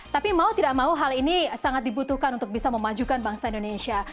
tapi mau tidak mau hal ini sangat dibutuhkan untuk bisa memajukan bangsa indonesia